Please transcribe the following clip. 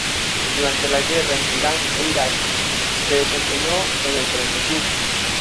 Durante la guerra entre Irán e Irak, se desempeñó en el frente sur.